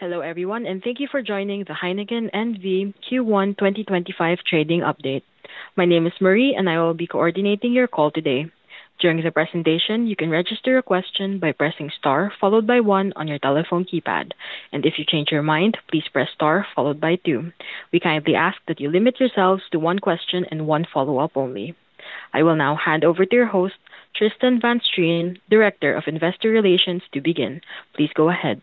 Hello everyone, and thank you for joining the Heineken N.V. Q1 2025 trading update. My name is Marie, and I will be coordinating your call today. During the presentation, you can register a question by pressing star followed by one on your telephone keypad, and if you change your mind, please press star followed by two. We kindly ask that you limit yourselves to one question and one follow-up only. I will now hand over to your host, Tristan van Strien, Director of Investor Relations, to begin. Please go ahead.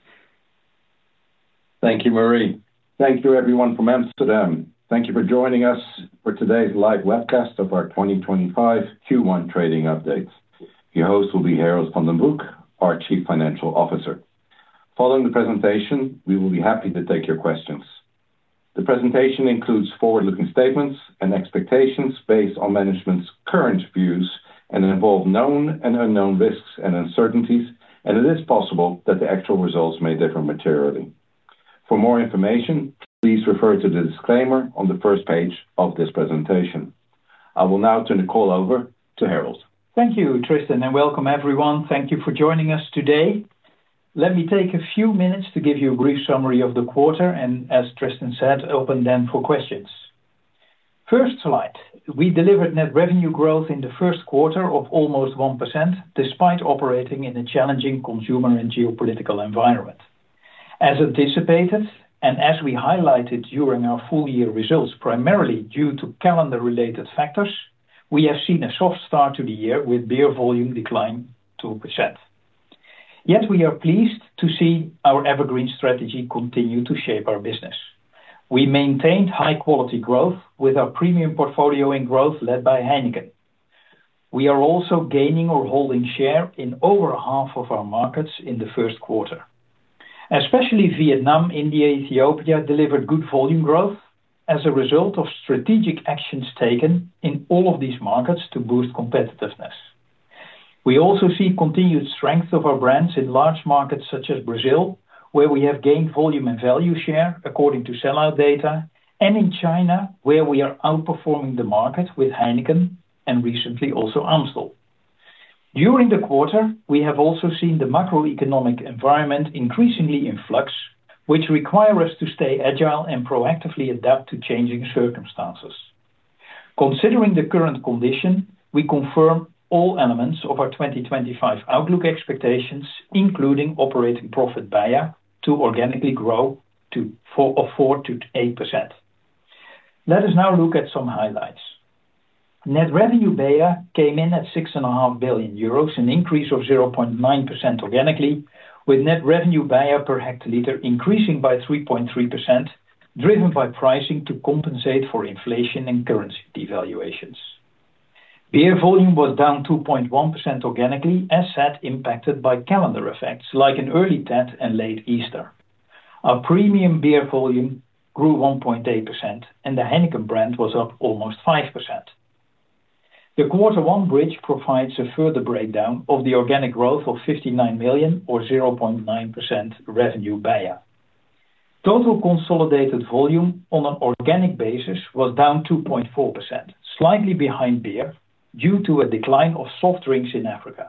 Thank you, Marie. Thank you everyone from Amsterdam. Thank you for joining us for today's live webcast of our 2025 Q1 trading updates. Your host will be Harold van den Broek, our Chief Financial Officer. Following the presentation, we will be happy to take your questions. The presentation includes forward-looking statements and expectations based on management's current views and involve known and unknown risks and uncertainties, and it is possible that the actual results may differ materially. For more information, please refer to the disclaimer on the first page of this presentation. I will now turn the call over to Harold. Thank you, Tristan, and welcome everyone. Thank you for joining us today. Let me take a few minutes to give you a brief summary of the quarter, and as Tristan said, open then for questions. First slide, we delivered net revenue growth in the first quarter of almost 1% despite operating in a challenging consumer and geopolitical environment. As anticipated, and as we highlighted during our full-year results, primarily due to calendar-related factors, we have seen a soft start to the year with beer volume declining to 2%. Yet we are pleased to see our evergreen strategy continue to shape our business. We maintained high-quality growth with our premium portfolio in growth led by Heineken. We are also gaining or holding share in over half of our markets in the first quarter. Especially Vietnam, India, and Ethiopia delivered good volume growth as a result of strategic actions taken in all of these markets to boost competitiveness. We also see continued strength of our brands in large markets such as Brazil, where we have gained volume and value share according to sell-out data, and in China, where we are outperforming the market with Heineken and recently also Amstel. During the quarter, we have also seen the macroeconomic environment increasingly in flux, which requires us to stay agile and proactively adapt to changing circumstances. Considering the current condition, we confirm all elements of our 2025 outlook expectations, including operating profit BEIA to organically grow to 4%-8%. Let us now look at some highlights. Net revenue BEIA came in at 6.5 billion euros, an increase of 0.9% organically, with net revenue BEIA per hectoliter increasing by 3.3%, driven by pricing to compensate for inflation and currency devaluations. Beer volume was down 2.1% organically, as said, impacted by calendar effects like an early Tet and late Easter. Our premium beer volume grew 1.8%, and the Heineken brand was up almost 5%. The quarter one bridge provides a further breakdown of the organic growth of 59 million, or 0.9% revenue BEIA. Total consolidated volume on an organic basis was down 2.4%, slightly behind beer due to a decline of soft drinks in Africa.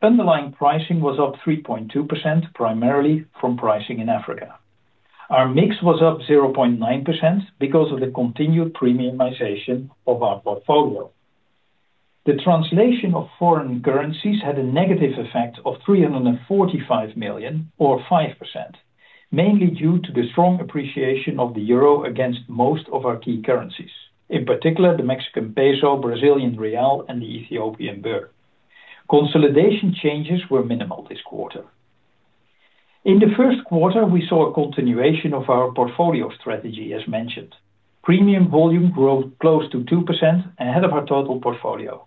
Underlying pricing was up 3.2%, primarily from pricing in Africa. Our mix was up 0.9% because of the continued premiumization of our portfolio. The translation of foreign currencies had a negative effect of 345 million, or 5%, mainly due to the strong appreciation of the euro against most of our key currencies, in particular the Mexican peso, Brazilian real, and the Ethiopian birr. Consolidation changes were minimal this quarter. In the first quarter, we saw a continuation of our portfolio strategy, as mentioned. Premium volume growth close to 2% ahead of our total portfolio.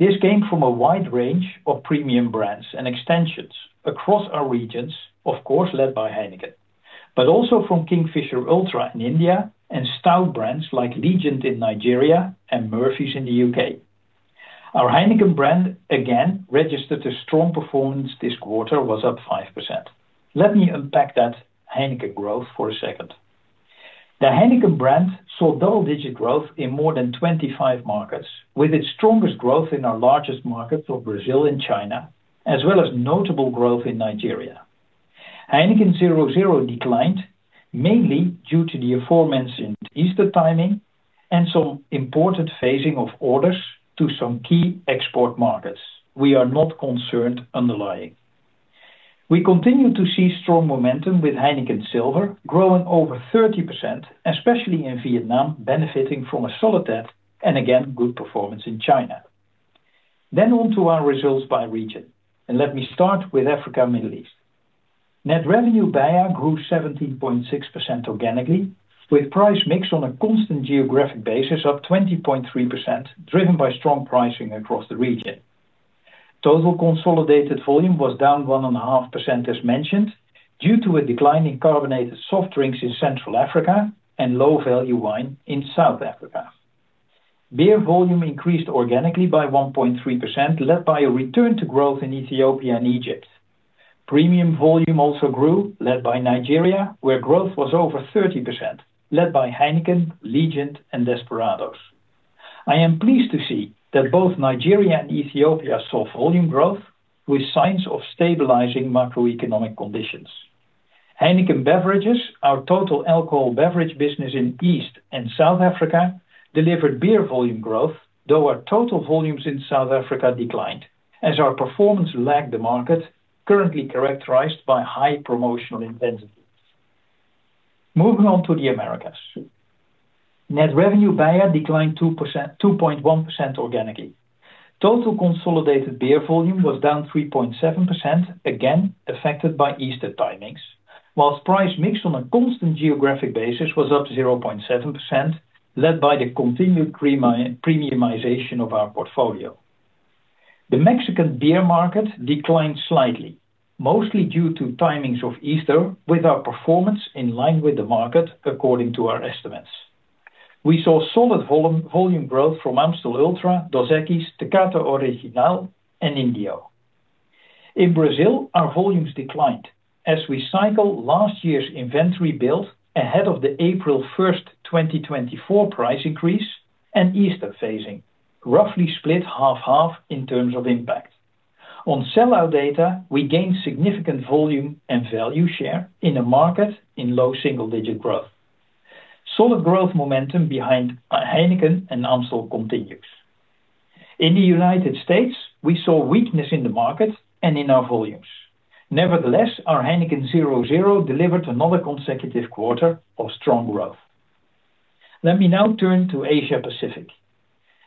This came from a wide range of premium brands and extensions across our regions, of course led by Heineken, but also from Kingfisher Ultra in India and stout brands like Legend in Nigeria and Murphy's in the U.K. Our Heineken brand, again, registered a strong performance this quarter, was up 5%. Let me unpack that Heineken growth for a second. The Heineken brand saw double-digit growth in more than 25 markets, with its strongest growth in our largest markets of Brazil and China, as well as notable growth in Nigeria. Heineken 0.0 declined mainly due to the aforementioned Easter timing and some important phasing of orders to some key export markets. We are not concerned underlying. We continue to see strong momentum with Heineken Silver growing over 30%, especially in Vietnam, benefiting from a solid Tet and again, good performance in China. On to our results by region, let me start with Africa and Middle East. Net revenue BEIA grew 17.6% organically, with price mix on a constant geographic basis of 20.3%, driven by strong pricing across the region. Total consolidated volume was down 1.5%, as mentioned, due to a decline in carbonated soft drinks in Central Africa and low-value wine in South Africa. Beer volume increased organically by 1.3%, led by a return to growth in Ethiopia and Egypt. Premium volume also grew, led by Nigeria, where growth was over 30%, led by Heineken, Legend, and Desperados. I am pleased to see that both Nigeria and Ethiopia saw volume growth with signs of stabilizing macroeconomic conditions. Heineken Beverages, our total alcohol beverage business in East and South Africa, delivered beer volume growth, though our total volumes in South Africa declined, as our performance lagged the market currently characterized by high promotional intensity. Moving on to the Americas, net revenue BEIA declined 2.1% organically. Total consolidated beer volume was down 3.7%, again affected by Easter timings, whilst price mix on a constant geographic basis was up 0.7%, led by the continued premiumization of our portfolio. The Mexican beer market declined slightly, mostly due to timings of Easter, with our performance in line with the market according to our estimates. We saw solid volume growth from Amstel Ultra, Dos Equis, Tecate Original, and Indio. In Brazil, our volumes declined as we cycle last year's inventory build ahead of the April 1, 2024 price increase and Easter phasing, roughly split half-half in terms of impact. On sell-out data, we gained significant volume and value share in a market in low single-digit growth. Solid growth momentum behind Heineken and Amstel continues. In the United States, we saw weakness in the market and in our volumes. Nevertheless, our Heineken 0.0 delivered another consecutive quarter of strong growth. Let me now turn to Asia-Pacific.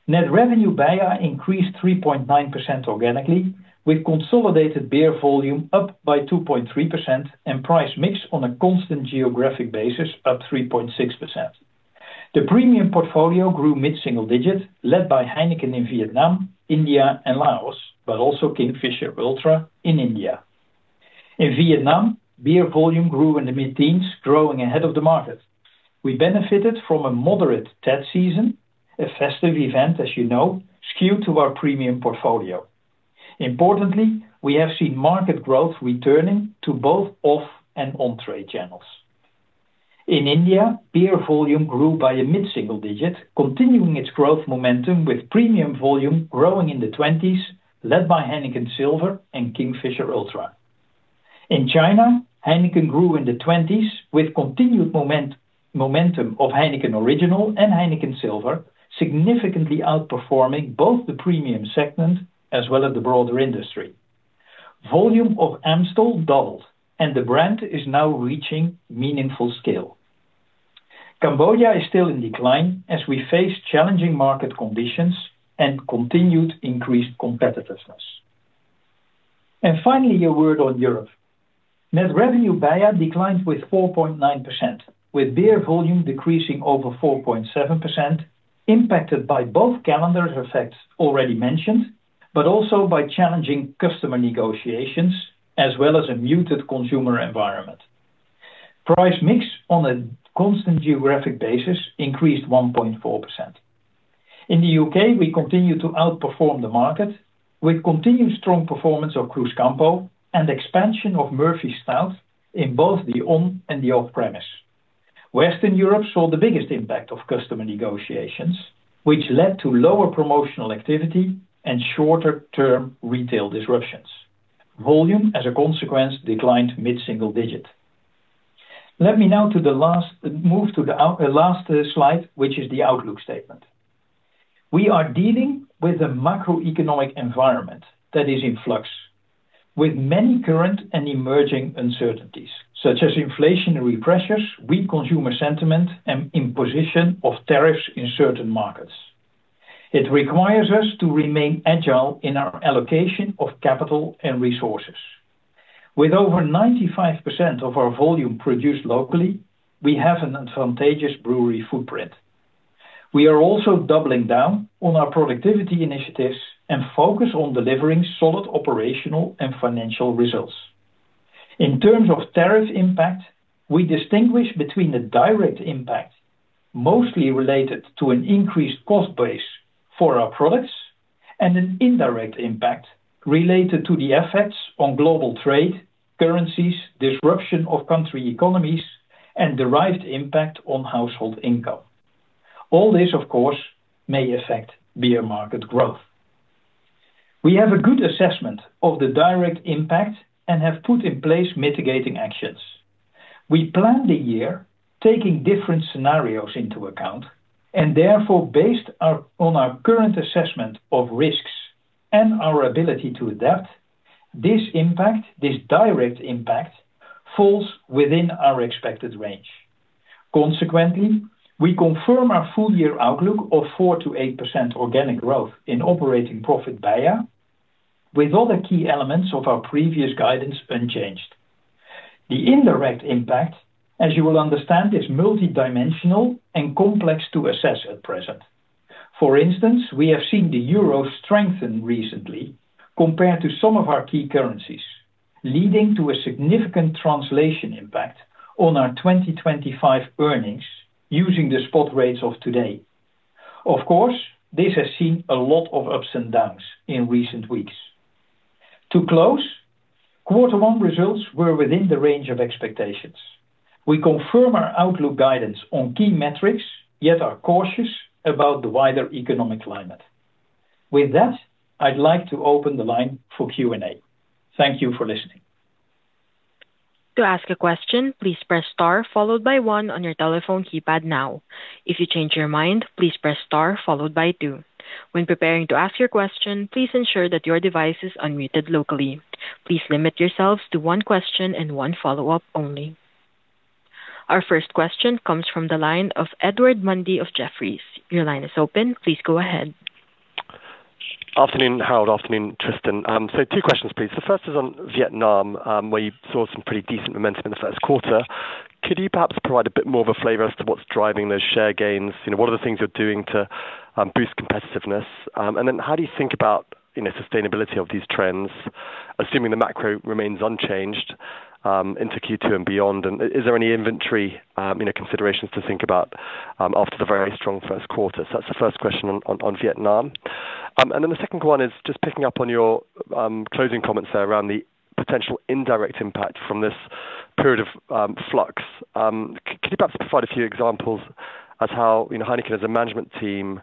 Net revenue BEIA increased 3.9% organically, with consolidated beer volume up by 2.3% and price mix on a constant geographic basis of 3.6%. The premium portfolio grew mid-single digit, led by Heineken in Vietnam, India, and Laos, but also Kingfisher Ultra in India. In Vietnam, beer volume grew in the mid-teens, growing ahead of the market. We benefited from a moderate Tet season, a festive event, as you know, skewed to our premium portfolio. Importantly, we have seen market growth returning to both off and on-trade channels. In India, beer volume grew by a mid-single digit, continuing its growth momentum with premium volume growing in the 20s, led by Heineken Silver and Kingfisher Ultra. In China, Heineken grew in the 20s with continued momentum of Heineken Original and Heineken Silver, significantly outperforming both the premium segment as well as the broader industry. Volume of Amstel doubled, and the brand is now reaching meaningful scale. Cambodia is still in decline as we face challenging market conditions and continued increased competitiveness. Finally, a word on Europe. Net revenue BEIA declined with 4.9%, with beer volume decreasing over 4.7%, impacted by both calendar effects already mentioned, but also by challenging customer negotiations as well as a muted consumer environment. Price mix on a constant geographic basis increased 1.4%. In the U.K., we continue to outperform the market with continued strong performance of Cruzcampo and expansion of Murphy's Stout in both the on and the off-premise. Western Europe saw the biggest impact of customer negotiations, which led to lower promotional activity and shorter-term retail disruptions. Volume, as a consequence, declined mid-single digit. Let me now move to the last slide, which is the outlook statement. We are dealing with a macroeconomic environment that is in flux, with many current and emerging uncertainties, such as inflationary pressures, weak consumer sentiment, and imposition of tariffs in certain markets. It requires us to remain agile in our allocation of capital and resources. With over 95% of our volume produced locally, we have an advantageous brewery footprint. We are also doubling down on our productivity initiatives and focus on delivering solid operational and financial results. In terms of tariff impact, we distinguish between a direct impact, mostly related to an increased cost base for our products, and an indirect impact related to the effects on global trade, currencies, disruption of country economies, and derived impact on household income. All this, of course, may affect beer market growth. We have a good assessment of the direct impact and have put in place mitigating actions. We planned the year, taking different scenarios into account, and therefore, based on our current assessment of risks and our ability to adapt, this direct impact falls within our expected range. Consequently, we confirm our full-year outlook of 4%-8% organic growth in operating profit BEIA, with other key elements of our previous guidance unchanged. The indirect impact, as you will understand, is multi-dimensional and complex to assess at present. For instance, we have seen the euro strengthen recently compared to some of our key currencies, leading to a significant translation impact on our 2025 earnings using the spot rates of today. Of course, this has seen a lot of ups and downs in recent weeks. To close, quarter one results were within the range of expectations. We confirm our outlook guidance on key metrics, yet are cautious about the wider economic climate. With that, I'd like to open the line for Q&A. Thank you for listening. To ask a question, please press star followed by one on your telephone keypad now. If you change your mind, please press star followed by two. When preparing to ask your question, please ensure that your device is unmuted locally. Please limit yourselves to one question and one follow-up only. Our first question comes from the line of Edward Mundy of Jefferies. Your line is open. Please go ahead. Afternoon, Harold. Afternoon, Tristan. Two questions, please. The first is on Vietnam, where you saw some pretty decent momentum in the first quarter. Could you perhaps provide a bit more of a flavor as to what's driving those share gains? What are the things you're doing to boost competitiveness? How do you think about the sustainability of these trends, assuming the macro remains unchanged into Q2 and beyond? Is there any inventory considerations to think about after the very strong first quarter? That's the first question on Vietnam. Then the second one is just picking up on your closing comments there around the potential indirect impact from this period of flux. Could you perhaps provide a few examples as how Heineken as a management team,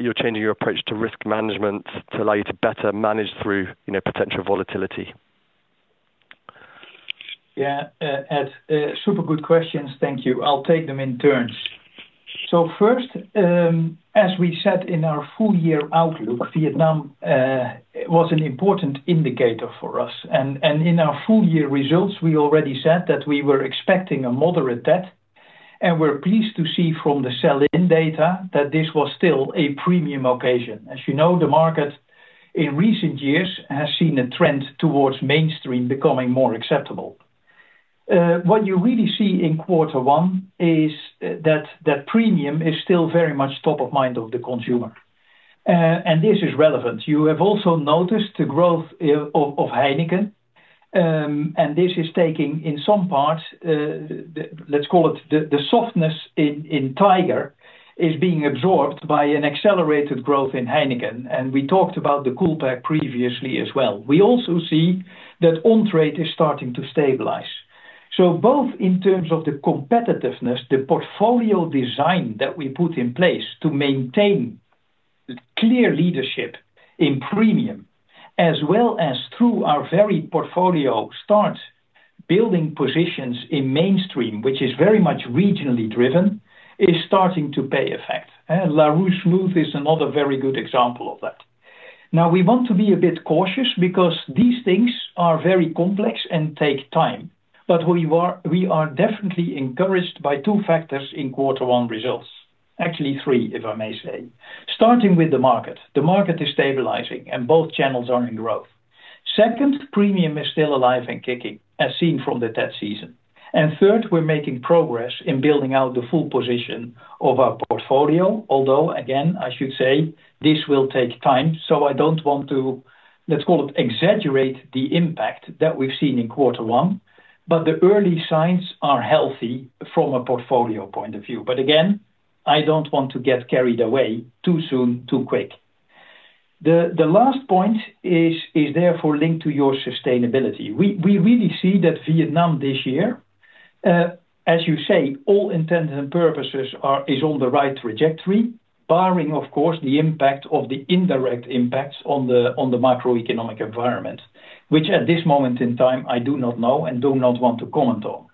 you're changing your approach to risk management to allow you to better manage through potential volatility? Yeah, super good questions. Thank you. I'll take them in turns. First, as we said in our full-year outlook, Vietnam was an important indicator for us. In our full-year results, we already said that we were expecting a moderate Tet. We're pleased to see from the sell-in data that this was still a premium occasion. As you know, the market in recent years has seen a trend towards mainstream becoming more acceptable. What you really see in quarter one is that that premium is still very much top of mind of the consumer. This is relevant. You have also noticed the growth of Heineken. This is taking, in some parts, let's call it the softness in Tiger, is being absorbed by an accelerated growth in Heineken. We talked about the Coolpack previously as well. We also see that on-trade is starting to stabilize. Both in terms of the competitiveness, the portfolio design that we put in place to maintain clear leadership in premium, as well as through our very portfolio start building positions in mainstream, which is very much regionally driven, is starting to pay effect. Larue Smooth is another very good example of that. Now, we want to be a bit cautious because these things are very complex and take time. We are definitely encouraged by two factors in quarter one results. Actually, three, if I may say. Starting with the market. The market is stabilizing, and both channels are in growth. Second, premium is still alive and kicking, as seen from the Tet season. Third, we're making progress in building out the full position of our portfolio, although, again, I should say, this will take time. I do not want to, let's call it, exaggerate the impact that we've seen in quarter one. The early signs are healthy from a portfolio point of view. Again, I don't want to get carried away too soon, too quick. The last point is therefore linked to your sustainability. We really see that Vietnam this year, as you say, all intents and purposes is on the right trajectory, barring, of course, the impact of the indirect impacts on the macroeconomic environment, which at this moment in time, I do not know and do not want to comment on.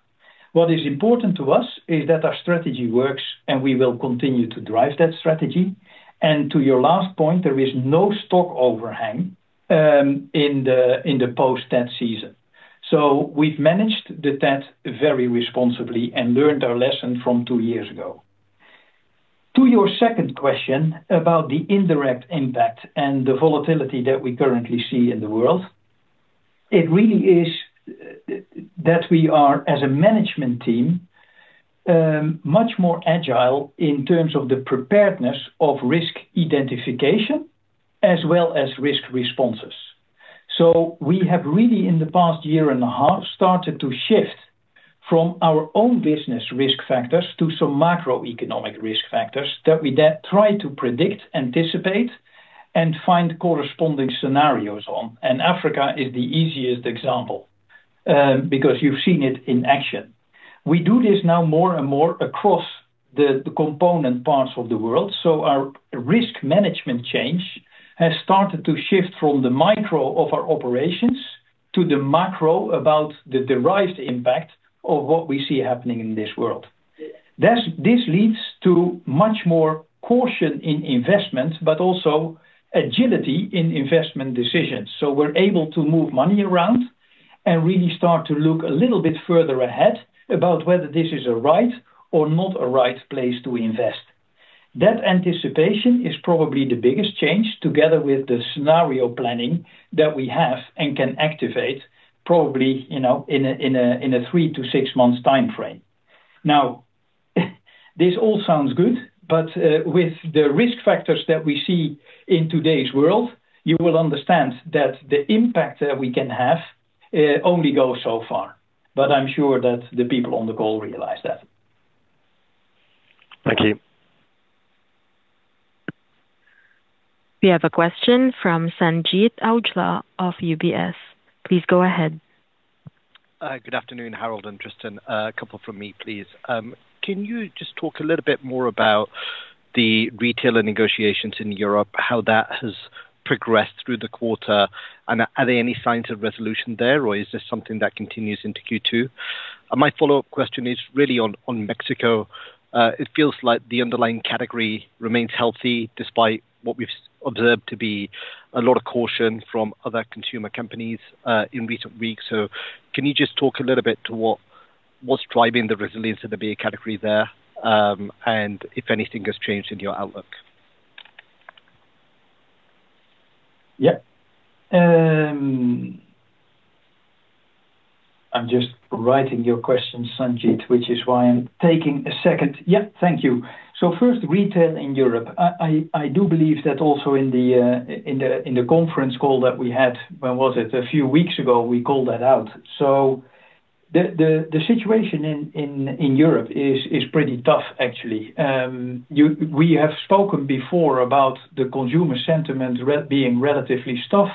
What is important to us is that our strategy works, and we will continue to drive that strategy. To your last point, there is no stock overhang in the post-Tet season. We have managed the Tet very responsibly and learned our lesson from two years ago. To your second question about the indirect impact and the volatility that we currently see in the world, it really is that we are, as a management team, much more agile in terms of the preparedness of risk identification as well as risk responses. We have really, in the past year and a half, started to shift from our own business risk factors to some macroeconomic risk factors that we then try to predict, anticipate, and find corresponding scenarios on. Africa is the easiest example because you have seen it in action. We do this now more and more across the component parts of the world. Our risk management change has started to shift from the micro of our operations to the macro about the derived impact of what we see happening in this world. This leads to much more caution in investment, but also agility in investment decisions. We are able to move money around and really start to look a little bit further ahead about whether this is a right or not a right place to invest. That anticipation is probably the biggest change, together with the scenario planning that we have and can activate, probably in a three to six-month time frame. Now, this all sounds good, but with the risk factors that we see in today's world, you will understand that the impact that we can have only goes so far. I'm sure that the people on the call realize that. Thank you. We have a question from Sanjeet Aujla of UBS. Please go ahead. Good afternoon, Harold and Tristan. A couple from me, please. Can you just talk a little bit more about the retailer negotiations in Europe, how that has progressed through the quarter? Are there any signs of resolution there, or is this something that continues into Q2? My follow-up question is really on Mexico. It feels like the underlying category remains healthy despite what we've observed to be a lot of caution from other consumer companies in recent weeks. Can you just talk a little bit to what's driving the resilience of the beer category there? If anything has changed in your outlook. Yeah. I'm just writing your question, Sanjeet, which is why I'm taking a second. Yeah, thank you. First, retail in Europe. I do believe that also in the conference call that we had, when was it? A few weeks ago, we called that out. The situation in Europe is pretty tough, actually. We have spoken before about the consumer sentiment being relatively tough.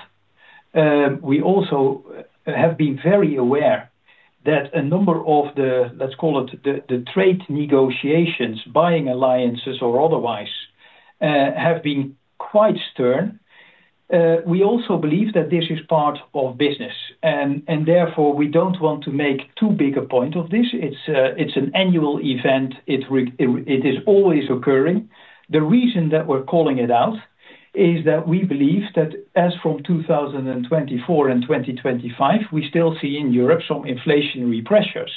We also have been very aware that a number of the, let's call it the trade negotiations, buying alliances or otherwise, have been quite stern. We also believe that this is part of business. Therefore, we do not want to make too big a point of this. It is an annual event. It is always occurring. The reason that we are calling it out is that we believe that as from 2024 and 2025, we still see in Europe some inflationary pressures.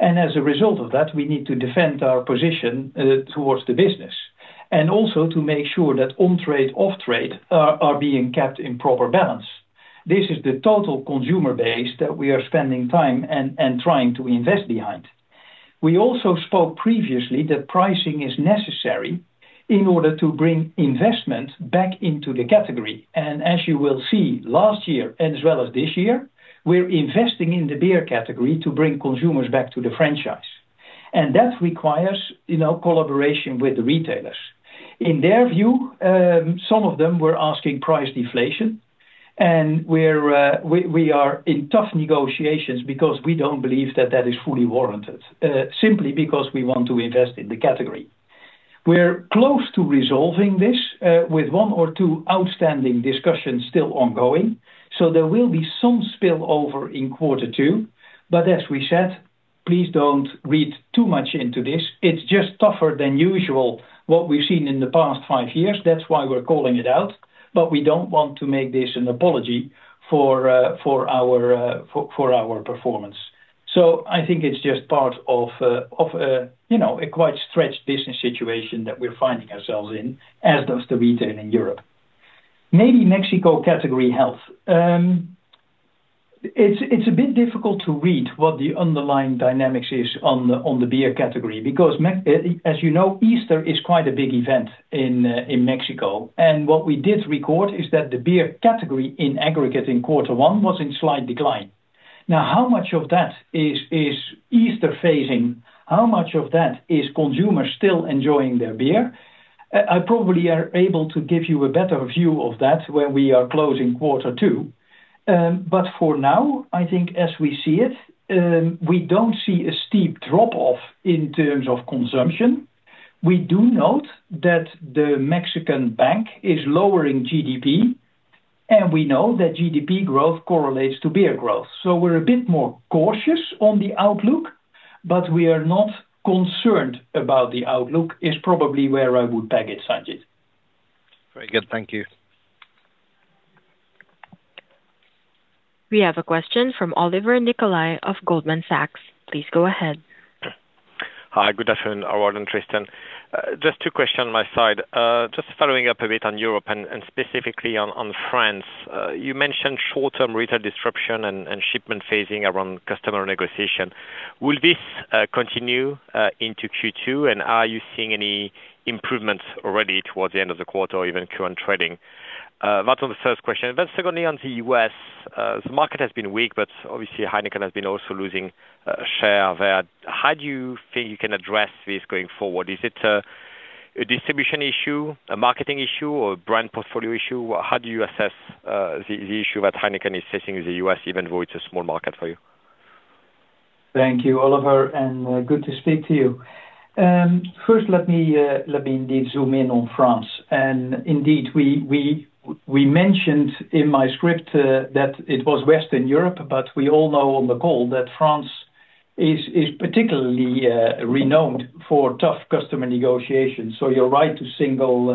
As a result of that, we need to defend our position towards the business and also to make sure that on-trade, off-trade are being kept in proper balance. This is the total consumer base that we are spending time and trying to invest behind. We also spoke previously that pricing is necessary in order to bring investment back into the category. As you will see, last year as well as this year, we're investing in the beer category to bring consumers back to the franchise. That requires collaboration with the retailers. In their view, some of them were asking price deflation. We are in tough negotiations because we do not believe that that is fully warranted, simply because we want to invest in the category. We are close to resolving this with one or two outstanding discussions still ongoing. There will be some spillover in quarter two. As we said, please do not read too much into this. It is just tougher than usual, what we have seen in the past five years. That is why we are calling it out. We do not want to make this an apology for our performance. I think it is just part of a quite stretched business situation that we are finding ourselves in, as does the retail in Europe. Maybe Mexico category health. It is a bit difficult to read what the underlying dynamics is on the beer category because, as you know, Easter is quite a big event in Mexico. What we did record is that the beer category in aggregate in quarter one was in slight decline. Now, how much of that is Easter phasing? How much of that is consumers still enjoying their beer? I probably am able to give you a better view of that when we are closing quarter two. For now, I think as we see it, we do not see a steep drop-off in terms of consumption. We do note that the Mexican Bank is lowering GDP, and we know that GDP growth correlates to beer growth. We are a bit more cautious on the outlook, but we are not concerned about the outlook is probably where I would peg it, Sanjeet. Very good. Thank you. We have a question from Olivier Nicolaï of Goldman Sachs. Please go ahead. Hi, good afternoon, Harold and Tristan. Just two questions on my side. Just following up a bit on Europe and specifically on France. You mentioned short-term retail disruption and shipment phasing around customer negotiation. Will this continue into Q2? Are you seeing any improvements already towards the end of the quarter or even current trading? That is the first question. Secondly, on the U.S., the market has been weak, but obviously, Heineken has been also losing share there. How do you think you can address this going forward? Is it a distribution issue, a marketing issue, or a brand portfolio issue? How do you assess the issue that Heineken is facing in the U.S., even though it is a small market for you? Thank you, Olivier. Good to speak to you. First, let me indeed zoom in on France. Indeed, we mentioned in my script that it was Western Europe, but we all know on the call that France is particularly renowned for tough customer negotiations. You are right to single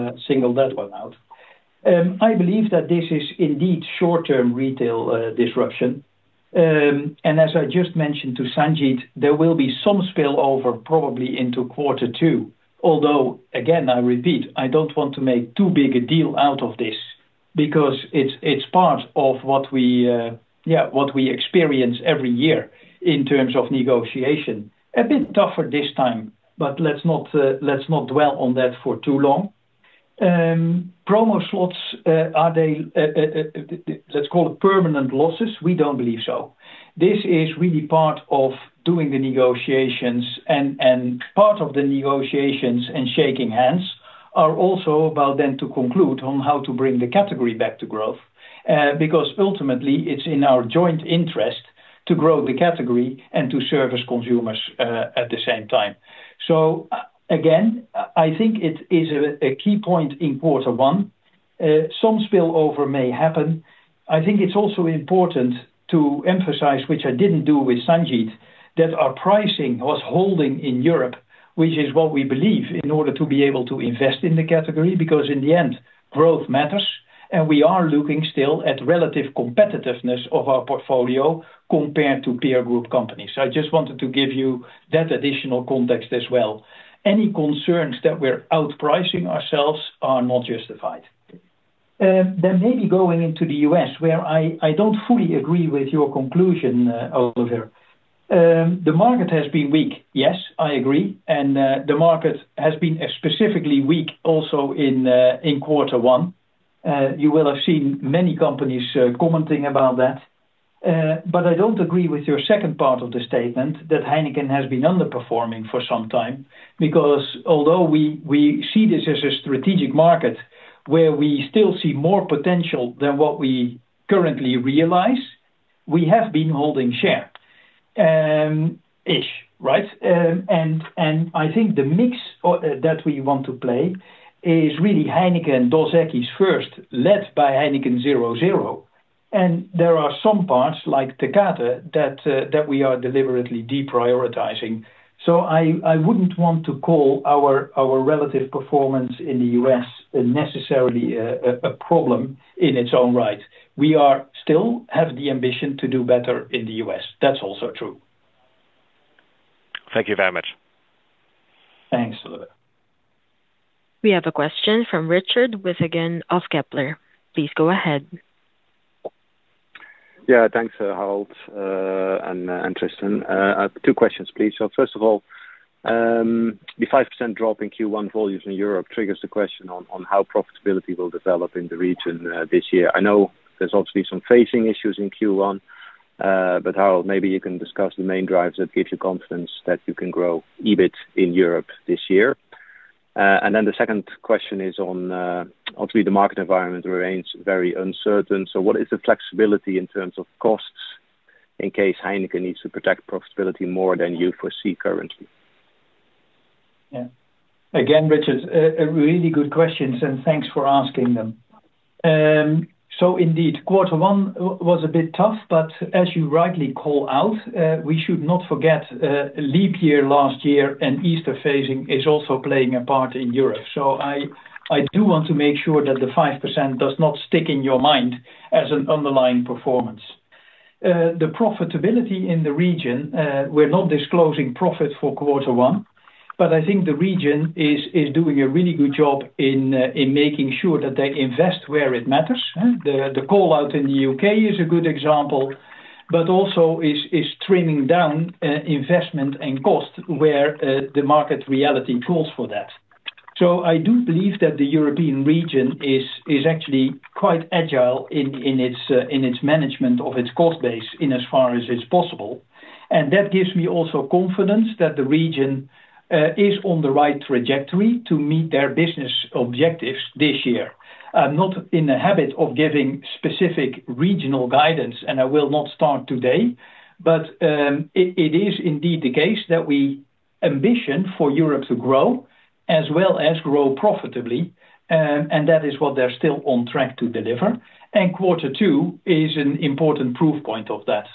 that one out. I believe that this is indeed short-term retail disruption. As I just mentioned to Sanjeet, there will be some spillover probably into quarter two. Although, again, I repeat, I do not want to make too big a deal out of this because it is part of what we experience every year in terms of negotiation. A bit tougher this time, but let us not dwell on that for too long. Promo slots, are they, let us call it, permanent losses? We do not believe so. This is really part of doing the negotiations, and part of the negotiations and shaking hands are also about then to conclude on how to bring the category back to growth because ultimately, it is in our joint interest to grow the category and to service consumers at the same time. Again, I think it is a key point in quarter one. Some spillover may happen. I think it's also important to emphasize, which I didn't do with Sanjeet, that our pricing was holding in Europe, which is what we believe in order to be able to invest in the category because in the end, growth matters. We are looking still at relative competitiveness of our portfolio compared to peer group companies. I just wanted to give you that additional context as well. Any concerns that we're outpricing ourselves are not justified. Maybe going into the U.S., where I don't fully agree with your conclusion, Olivier. The market has been weak. Yes, I agree. The market has been specifically weak also in quarter one. You will have seen many companies commenting about that. I don't agree with your second part of the statement that Heineken has been underperforming for some time because although we see this as a strategic market where we still see more potential than what we currently realize, we have been holding share-ish, right? I think the mix that we want to play is really Heineken Dos Equis first, led by Heineken 0.0. There are some parts like Tecate that we are deliberately deprioritizing. I wouldn't want to call our relative performance in the U.S. necessarily a problem in its own right. We still have the ambition to do better in the U.S. That's also true. Thank you very much. Thanks. We have a question from Richard Withagen of Kepler. Please go ahead. Yeah, thanks, Harold and Tristan. Two questions, please. First of all, the 5% drop in Q1 volumes in Europe triggers the question on how profitability will develop in the region this year. I know there's obviously some phasing issues in Q1, but Harold, maybe you can discuss the main drivers that give you confidence that you can grow EBIT in Europe this year. The second question is on, obviously, the market environment remains very uncertain. What is the flexibility in terms of costs in case Heineken needs to protect profitability more than you foresee currently? Yeah. Again, Richard, really good questions, and thanks for asking them. Indeed, quarter one was a bit tough, but as you rightly call out, we should not forget leap year last year and Easter phasing is also playing a part in Europe. I do want to make sure that the 5% does not stick in your mind as an underlying performance. The profitability in the region, we're not disclosing profits for quarter one, but I think the region is doing a really good job in making sure that they invest where it matters. The callout in the U.K. is a good example, but also is trimming down investment and cost where the market reality calls for that. I do believe that the European region is actually quite agile in its management of its cost base in as far as it's possible. That gives me also confidence that the region is on the right trajectory to meet their business objectives this year. I'm not in the habit of giving specific regional guidance, and I will not start today, but it is indeed the case that we ambition for Europe to grow as well as grow profitably. That is what they're still on track to deliver. Quarter two is an important proof point of that.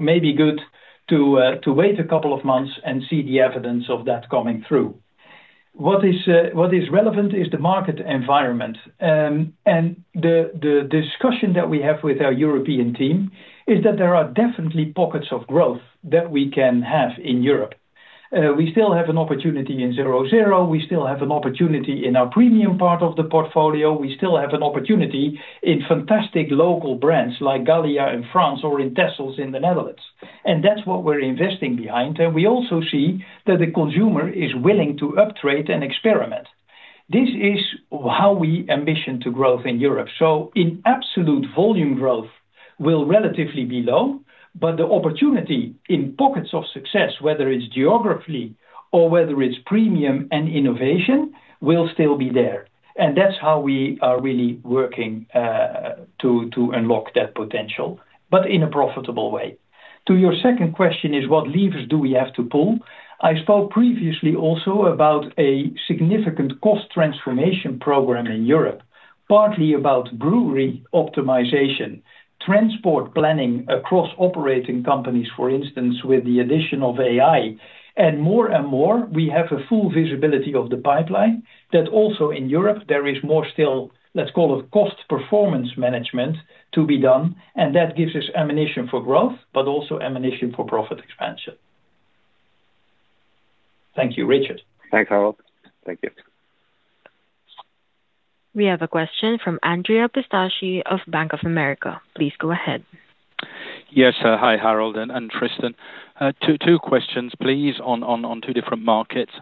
Maybe good to wait a couple of months and see the evidence of that coming through. What is relevant is the market environment. The discussion that we have with our European team is that there are definitely pockets of growth that we can have in Europe. We still have an opportunity in 0.0. We still have an opportunity in our premium part of the portfolio. We still have an opportunity in fantastic local brands like Gallia in France or in Texels in the Netherlands. That's what we're investing behind. We also see that the consumer is willing to uptrade and experiment. This is how we ambition to growth in Europe. In absolute volume growth, it will relatively be low, but the opportunity in pockets of success, whether it is geography or whether it is premium and innovation, will still be there. That is how we are really working to unlock that potential, but in a profitable way. To your second question, what levers do we have to pull? I spoke previously also about a significant cost transformation program in Europe, partly about brewery optimization, transport planning across operating companies, for instance, with the addition of AI. More and more, we have full visibility of the pipeline that also in Europe, there is more still, let's call it cost performance management to be done. That gives us ammunition for growth, but also ammunition for profit expansion. Thank you, Richard. Thanks, Harold. Thank you. We have a question from Andrea Pistacchi of Bank of America. Please go ahead. Yes, hi, Harold and Tristan. Two questions, please, on two different markets.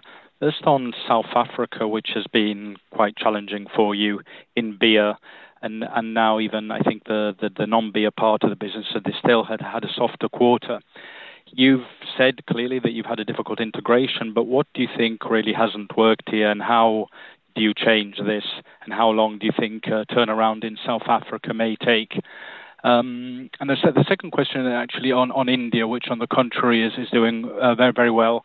First on South Africa, which has been quite challenging for you in beer and now even, I think, the non-beer part of the business, so they still had a softer quarter. You've said clearly that you've had a difficult integration, but what do you think really hasn't worked here and how do you change this and how long do you think turnaround in South Africa may take? The second question is actually on India, which on the contrary is doing very, very well.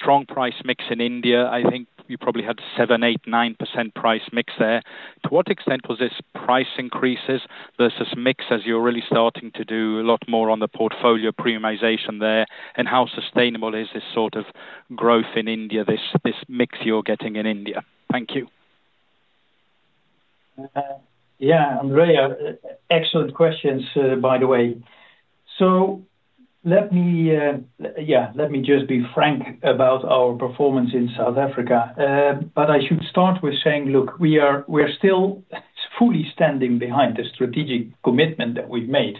Strong price mix in India. I think you probably had 7%, 8%, 9% price mix there. To what extent was this price increases versus mix as you're really starting to do a lot more on the portfolio premiumization there and how sustainable is this sort of growth in India, this mix you're getting in India? Thank you. Yeah, Andrea, excellent questions, by the way. Let me just be frank about our performance in South Africa, but I should start with saying, look, we're still fully standing behind the strategic commitment that we've made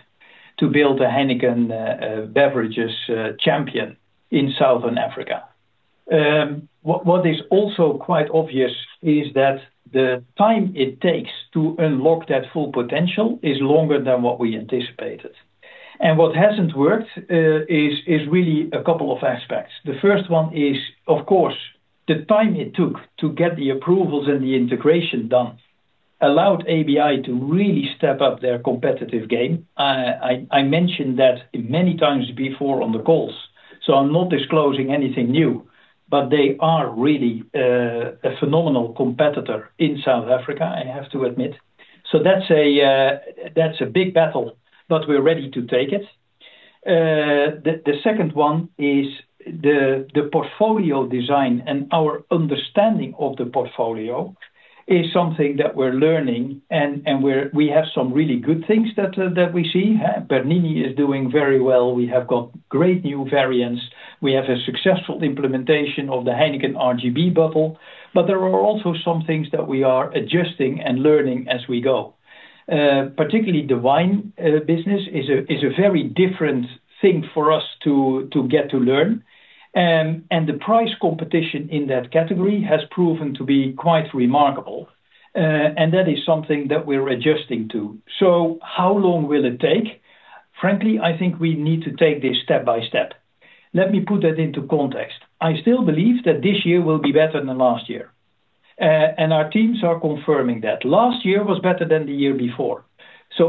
to build a Heineken Beverages champion in Southern Africa. What is also quite obvious is that the time it takes to unlock that full potential is longer than what we anticipated. What hasn't worked is really a couple of aspects. The first one is, of course, the time it took to get the approvals and the integration done allowed AB InBev to really step up their competitive game. I mentioned that many times before on the calls, so I'm not disclosing anything new, but they are really a phenomenal competitor in South Africa, I have to admit. That is a big battle, but we're ready to take it. The second one is the portfolio design and our understanding of the portfolio is something that we're learning and we have some really good things that we see. Bernini is doing very well. We have got great new variants. We have a successful implementation of the Heineken RGB bottle, but there are also some things that we are adjusting and learning as we go. Particularly the wine business is a very different thing for us to get to learn. The price competition in that category has proven to be quite remarkable. That is something that we're adjusting to. How long will it take? Frankly, I think we need to take this step by step. Let me put that into context. I still believe that this year will be better than last year. Our teams are confirming that. Last year was better than the year before.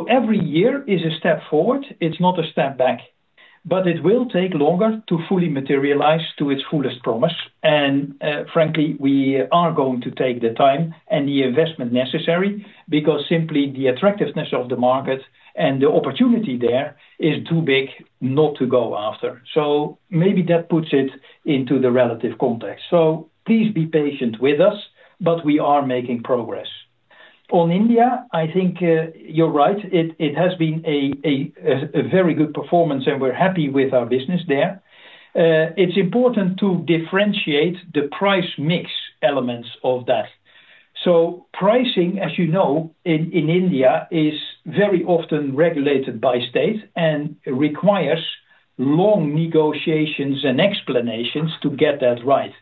Every year is a step forward. It's not a step back, but it will take longer to fully materialize to its fullest promise. Frankly, we are going to take the time and the investment necessary because simply the attractiveness of the market and the opportunity there is too big not to go after. Maybe that puts it into the relative context. Please be patient with us, but we are making progress. On India, I think you're right. It has been a very good performance and we're happy with our business there. It's important to differentiate the price mix elements of that. Pricing, as you know, in India is very often regulated by state and requires long negotiations and explanations to get that right.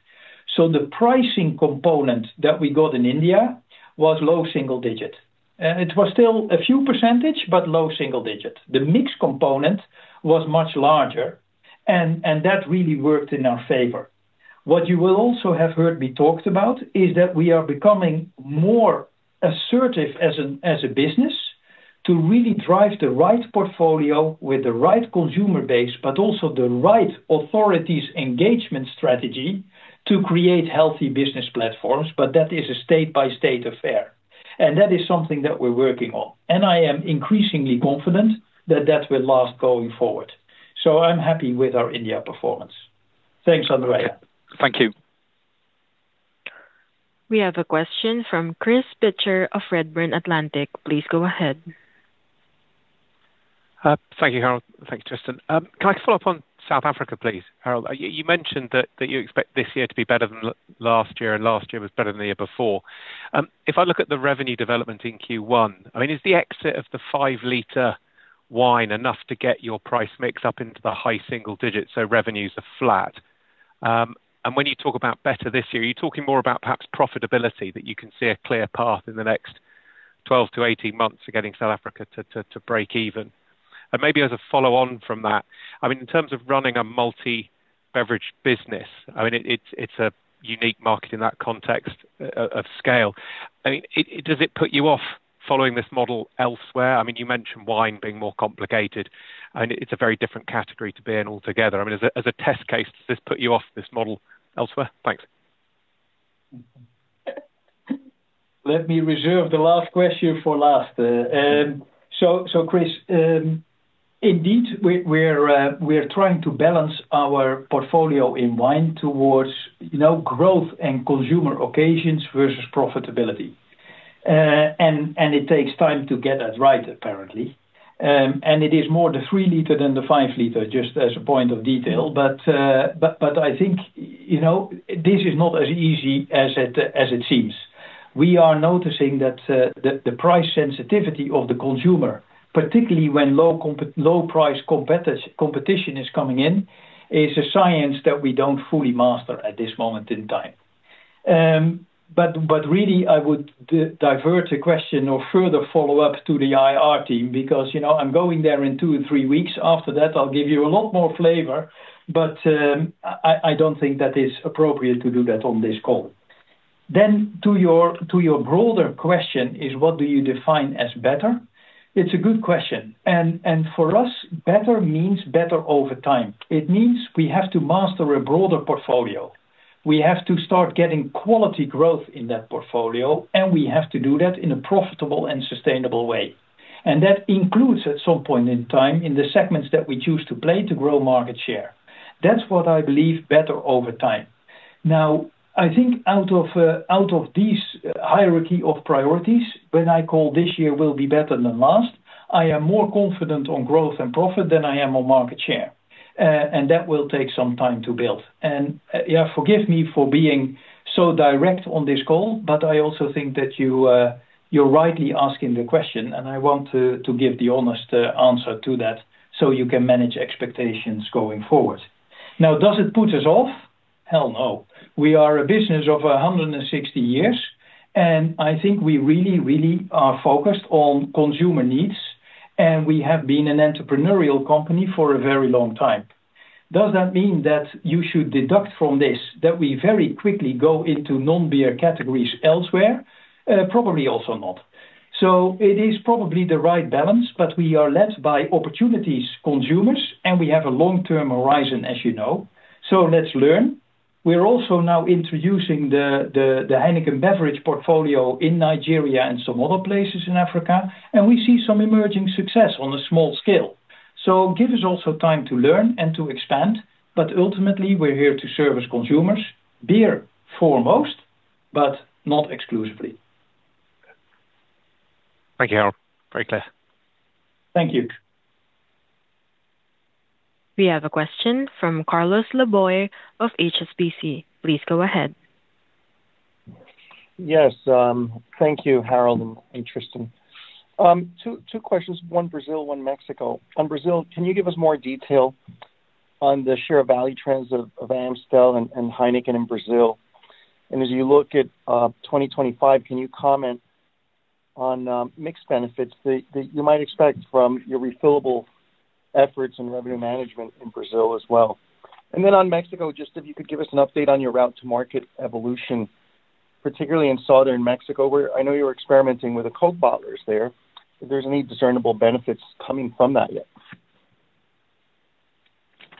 The pricing component that we got in India was low single digit. It was still a few percentage, but low single digit. The mix component was much larger and that really worked in our favor. What you will also have heard me talk about is that we are becoming more assertive as a business to really drive the right portfolio with the right consumer base, but also the right authorities engagement strategy to create healthy business platforms, but that is a state-by-state affair. That is something that we're working on. I am increasingly confident that that will last going forward. I'm happy with our India performance. Thanks, Andrea. Thank you. We have a question from Chris Pitcher of Redburn Atlantic. Please go ahead. Thank you, Harold. Thank you, Tristan. Can I follow up on South Africa, please? Harold, you mentioned that you expect this year to be better than last year and last year was better than the year before. If I look at the revenue development in Q1, I mean, is the exit of the five-liter wine enough to get your price mix up into the high single digit? Revenues are flat. When you talk about better this year, are you talking more about perhaps profitability that you can see a clear path in the next 12 to 18 months for getting South Africa to break even? Maybe as a follow-on from that, I mean, in terms of running a multi-beverage business, I mean, it's a unique market in that context of scale. Does it put you off following this model elsewhere? I mean, you mentioned wine being more complicated. I mean, it's a very different category to be in altogether. I mean, as a test case, does this put you off this model elsewhere? Thanks. Let me reserve the last question for last. Chris, indeed, we're trying to balance our portfolio in wine towards growth and consumer occasions versus profitability. It takes time to get that right, apparently. It is more the three-liter than the five-liter, just as a point of detail. I think this is not as easy as it seems. We are noticing that the price sensitivity of the consumer, particularly when low-price competition is coming in, is a science that we don't fully master at this moment in time. I would divert the question or further follow-up to the IR team because I'm going there in two or three weeks. After that, I'll give you a lot more flavor, but I don't think that is appropriate to do that on this call. To your broader question, what do you define as better? It's a good question. For us, better means better over time. It means we have to master a broader portfolio. We have to start getting quality growth in that portfolio, and we have to do that in a profitable and sustainable way. That includes at some point in time in the segments that we choose to play to grow market share. That's what I believe better over time. I think out of this hierarchy of priorities, when I call this year will be better than last, I am more confident on growth and profit than I am on market share. That will take some time to build. Yeah, forgive me for being so direct on this call, but I also think that you're rightly asking the question, and I want to give the honest answer to that so you can manage expectations going forward. Now, does it put us off? Hell no. We are a business of 160 years, and I think we really, really are focused on consumer needs, and we have been an entrepreneurial company for a very long time. Does that mean that you should deduct from this that we very quickly go into non-beer categories elsewhere? Probably also not. It is probably the right balance, but we are led by opportunities, consumers, and we have a long-term horizon, as you know. Let's learn. We're also now introducing the Heineken beverage portfolio in Nigeria and some other places in Africa, and we see some emerging success on a small scale. Give us also time to learn and to expand, but ultimately, we're here to service consumers, beer foremost, but not exclusively. Thank you, Harold. Very clear. Thank you. We have a question from Carlos Laboy of HSBC. Please go ahead. Yes. Thank you, Harold and Tristan. Two questions. One Brazil, one Mexico. On Brazil, can you give us more detail on the share of value trends of Amstel and Heineken in Brazil? As you look at 2025, can you comment on mix benefits that you might expect from your refillable efforts and revenue management in Brazil as well? On Mexico, just if you could give us an update on your route to market evolution, particularly in southern Mexico, where I know you're experimenting with the Coke bottlers there. If there's any discernible benefits coming from that yet?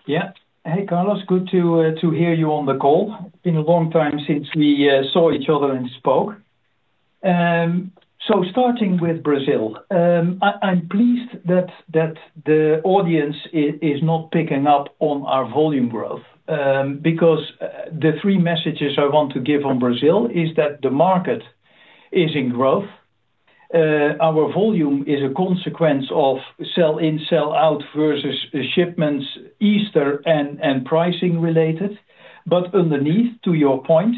Yeah. Hey, Carlos, good to hear you on the call. It's been a long time since we saw each other and spoke. Starting with Brazil, I'm pleased that the audience is not picking up on our volume growth because the three messages I want to give on Brazil is that the market is in growth. Our volume is a consequence of sell-in, sell-out versus shipments, Easter and pricing related. Underneath, to your point,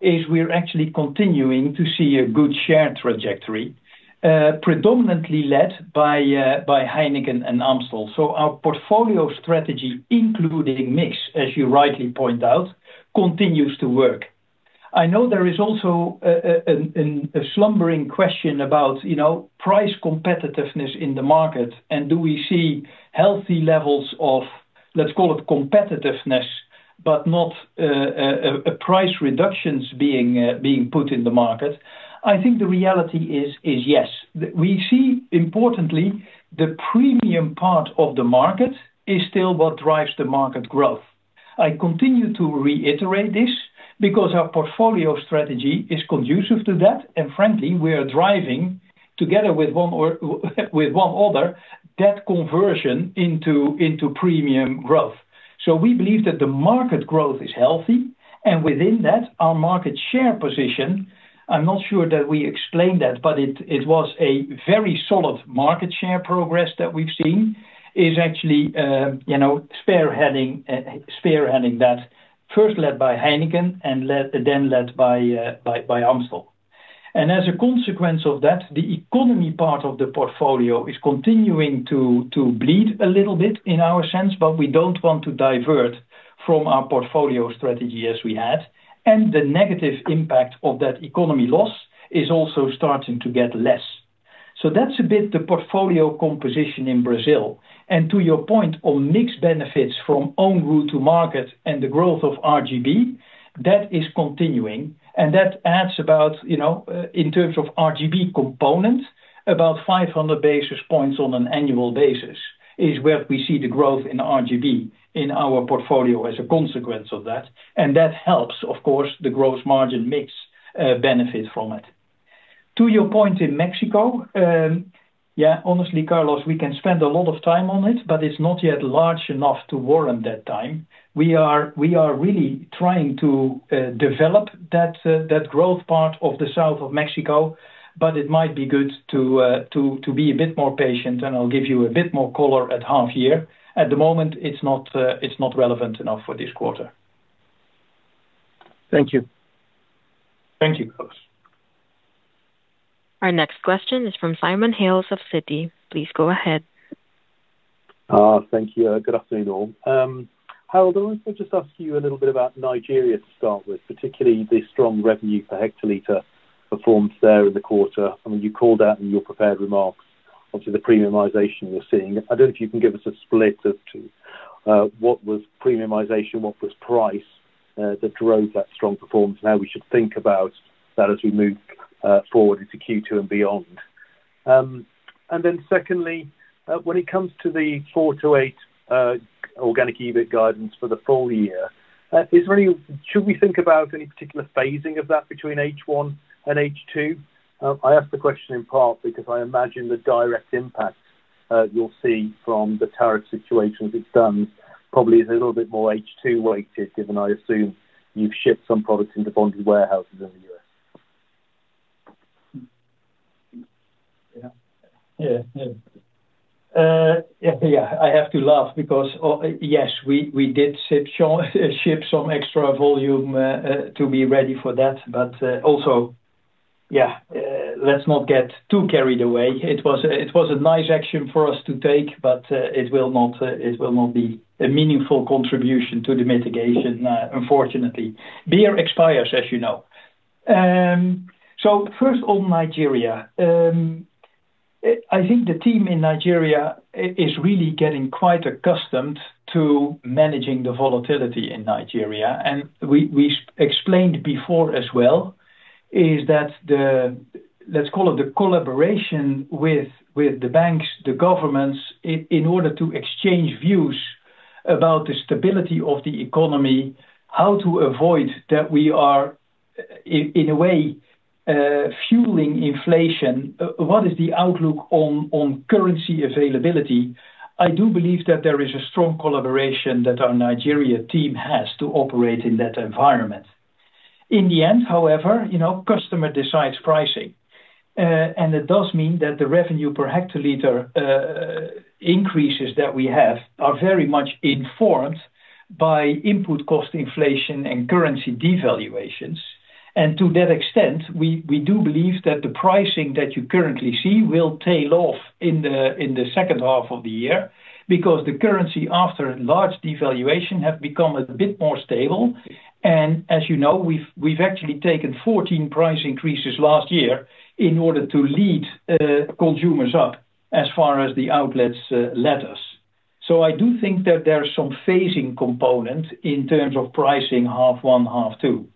is we're actually continuing to see a good share trajectory, predominantly led by Heineken and Amstel. Our portfolio strategy, including mix, as you rightly point out, continues to work. I know there is also a slumbering question about price competitiveness in the market and do we see healthy levels of, let's call it competitiveness, but not price reductions being put in the market. I think the reality is yes. We see, importantly, the premium part of the market is still what drives the market growth. I continue to reiterate this because our portfolio strategy is conducive to that. Frankly, we are driving, together with one other, that conversion into premium growth. We believe that the market growth is healthy. Within that, our market share position, I'm not sure that we explained that, but it was a very solid market share progress that we've seen is actually spearheading that, first led by Heineken and then led by Amstel. As a consequence of that, the economy part of the portfolio is continuing to bleed a little bit in our sense, but we don't want to divert from our portfolio strategy as we had. The negative impact of that economy loss is also starting to get less. That's a bit the portfolio composition in Brazil. To your point on mixed benefits from own route to market and the growth of RGB, that is continuing. That adds about, in terms of RGB component, about 500 basis points on an annual basis is where we see the growth in RGB in our portfolio as a consequence of that. That helps, of course, the gross margin mix benefit from it. To your point in Mexico, honestly, Carlos, we can spend a lot of time on it, but it's not yet large enough to warrant that time. We are really trying to develop that growth part of the south of Mexico, but it might be good to be a bit more patient, and I'll give you a bit more color at half year. At the moment, it's not relevant enough for this quarter. Thank you. Thank you, Carlos. Our next question is from Simon Hales of Citi. Please go ahead. Thank you. Good afternoon, all. Harold, I wanted to just ask you a little bit about Nigeria to start with, particularly the strong revenue per hectoliter performance there in the quarter. I mean, you called out in your prepared remarks, obviously, the premiumization you're seeing. I don't know if you can give us a split of what was premiumization, what was price that drove that strong performance, and how we should think about that as we move forward into Q2 and beyond. Secondly, when it comes to the 4%-8% organic EBIT guidance for the full year, should we think about any particular phasing of that between H1 and H2? I ask the question in part because I imagine the direct impact you'll see from the tariff situation as it stands probably is a little bit more H2-weighted, given I assume you've shipped some products into bonded warehouses in the U.S. Yeah. Yeah. Yeah. I have to laugh because, yes, we did ship some extra volume to be ready for that. Also, let's not get too carried away. It was a nice action for us to take, but it will not be a meaningful contribution to the mitigation, unfortunately. Beer expires, as you know. First, on Nigeria, I think the team in Nigeria is really getting quite accustomed to managing the volatility in Nigeria. We explained before as well that, let's call it the collaboration with the banks, the governments, in order to exchange views about the stability of the economy, how to avoid that we are, in a way, fueling inflation, what is the outlook on currency availability. I do believe that there is a strong collaboration that our Nigeria team has to operate in that environment. In the end, however, customer decides pricing. It does mean that the revenue per hectoliter increases that we have are very much informed by input cost inflation and currency devaluations. To that extent, we do believe that the pricing that you currently see will tail off in the second half of the year because the currency after large devaluation has become a bit more stable. As you know, we've actually taken 14 price increases last year in order to lead consumers up as far as the outlets let us. I do think that there's some phasing component in terms of pricing half one, half two.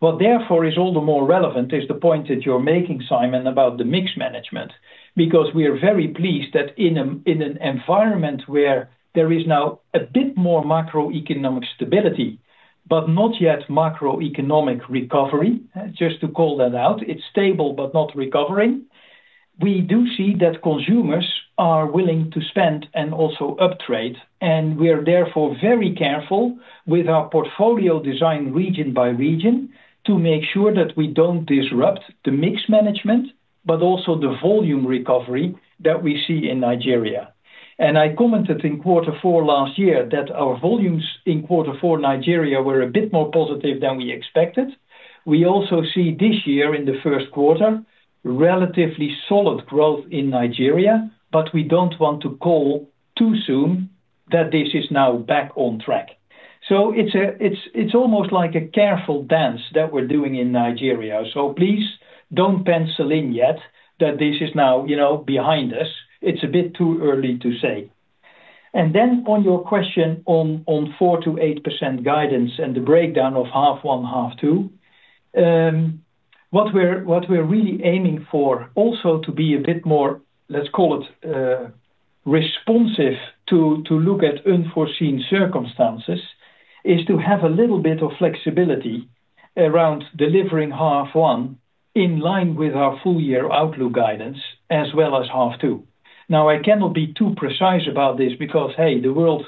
What is all the more relevant is the point that you're making, Simon, about the mix management because we are very pleased that in an environment where there is now a bit more macroeconomic stability, but not yet macroeconomic recovery, just to call that out, it's stable but not recovering, we do see that consumers are willing to spend and also uptrade. We are therefore very careful with our portfolio design region by region to make sure that we don't disrupt the mix management, but also the volume recovery that we see in Nigeria. I commented in quarter four last year that our volumes in quarter four Nigeria were a bit more positive than we expected. We also see this year in the first quarter relatively solid growth in Nigeria, but we do not want to call too soon that this is now back on track. It is almost like a careful dance that we are doing in Nigeria. Please do not pencil in yet that this is now behind us. It is a bit too early to say. On your question on 4%-8% guidance and the breakdown of half one, half two, what we are really aiming for also to be a bit more, let us call it responsive to look at unforeseen circumstances, is to have a little bit of flexibility around delivering half one in line with our full year outlook guidance as well as half two. Now, I cannot be too precise about this because, hey, the world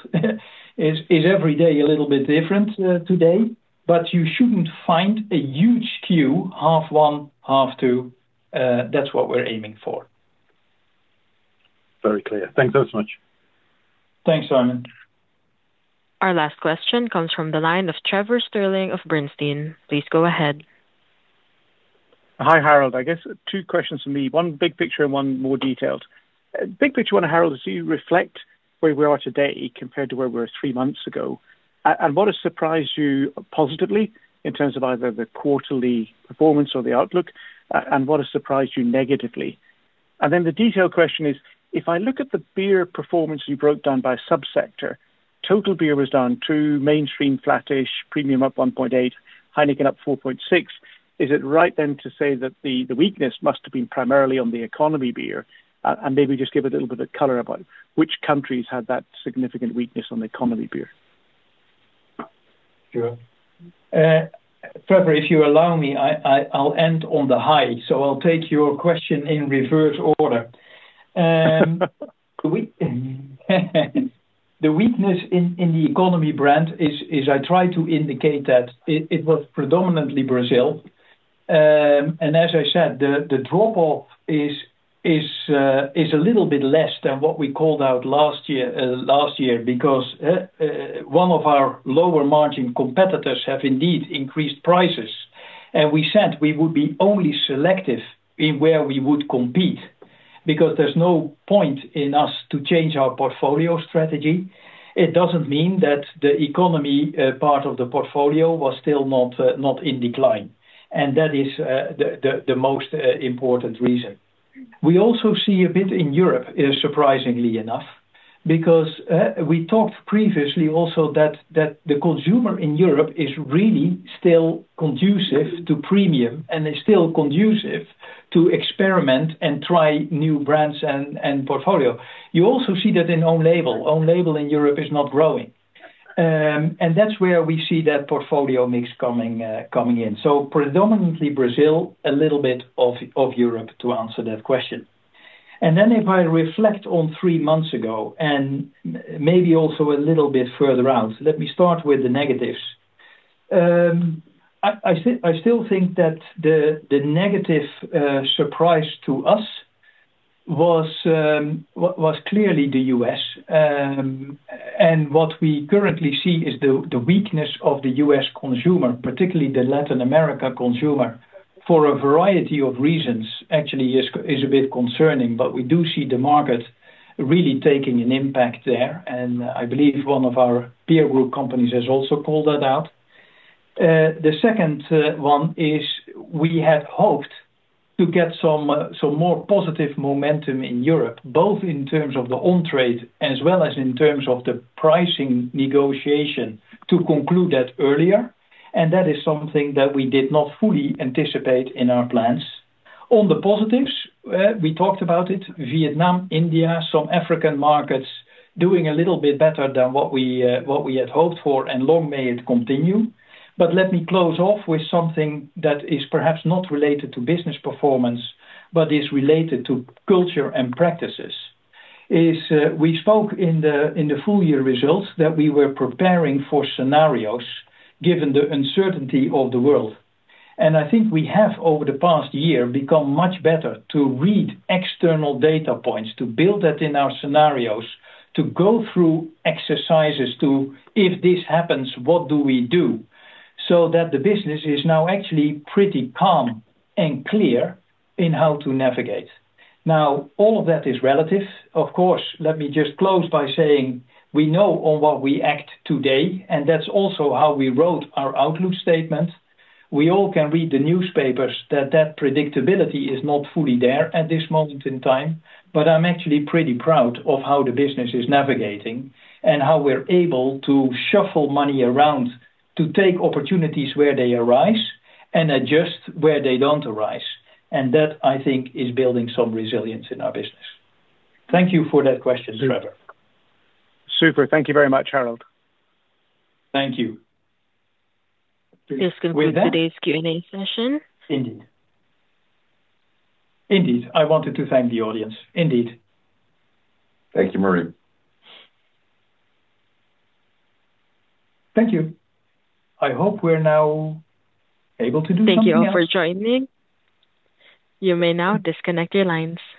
is every day a little bit different today, but you shouldn't find a huge queue, half one, half two. That's what we're aiming for. Very clear. Thanks so much. Thanks, Simon. Our last question comes from the line of Trevor Stirling of Bernstein. Please go ahead. Hi, Harold. I guess two questions for me. One big picture and one more detailed. Big picture one, Harold, is do you reflect where we are today compared to where we were three months ago? What has surprised you positively in terms of either the quarterly performance or the outlook? What has surprised you negatively? The detailed question is, if I look at the beer performance you broke down by subsector, total beer was down two, mainstream flattish, premium up 1.8%, Heineken up 4.6%. Is it right then to say that the weakness must have been primarily on the economy beer? Maybe just give a little bit of color about which countries had that significant weakness on the economy beer. Sure. Trevor, if you allow me, I'll end on the high. I'll take your question in reverse order. The weakness in the economy brand, as I tried to indicate, was predominantly Brazil. As I said, the drop-off is a little bit less than what we called out last year because one of our lower margin competitors has indeed increased prices. We said we would be only selective in where we would compete because there's no point in us to change our portfolio strategy. It doesn't mean that the economy part of the portfolio was still not in decline. That is the most important reason. We also see a bit in Europe, surprisingly enough, because we talked previously also that the consumer in Europe is really still conducive to premium and is still conducive to experiment and try new brands and portfolio. You also see that in own label. Own label in Europe is not growing. That is where we see that portfolio mix coming in. Predominantly Brazil, a little bit of Europe to answer that question. If I reflect on three months ago and maybe also a little bit further out, let me start with the negatives. I still think that the negative surprise to us was clearly the U.S. What we currently see is the weakness of the U.S. consumer, particularly the Latin American consumer, for a variety of reasons, actually is a bit concerning. We do see the market really taking an impact there. I believe one of our peer group companies has also called that out. The second one is we had hoped to get some more positive momentum in Europe, both in terms of the on-trade as well as in terms of the pricing negotiation to conclude that earlier. That is something that we did not fully anticipate in our plans. On the positives, we talked about it, Vietnam, India, some African markets doing a little bit better than what we had hoped for, and long may it continue. Let me close off with something that is perhaps not related to business performance, but is related to culture and practices. We spoke in the full year results that we were preparing for scenarios given the uncertainty of the world. I think we have, over the past year, become much better to read external data points, to build that in our scenarios, to go through exercises to, if this happens, what do we do? That the business is now actually pretty calm and clear in how to navigate. Now, all of that is relative. Of course, let me just close by saying we know on what we act today, and that's also how we wrote our outlook statement. We all can read the newspapers that that predictability is not fully there at this moment in time, but I'm actually pretty proud of how the business is navigating and how we're able to shuffle money around to take opportunities where they arise and adjust where they do not arise. That, I think, is building some resilience in our business. Thank you for that question, Trevor. Super. Thank you very much, Harold. Thank you. With that. Indeed. I wanted to thank the audience. Indeed. Thank you, Marie. Thank you. I hope we're now able to do something. Thank you all for joining. You may now disconnect your lines.